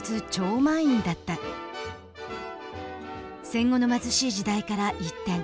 戦後の貧しい時代から一転。